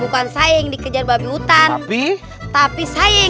bukan saya yang dikejar babi hutan tapi saya yang